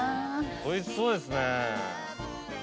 おいしそうですね。